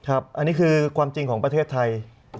อันนี้คือความจริงของประเทศไทย